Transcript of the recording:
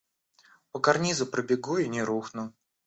По карнизу пробегу и не рухну.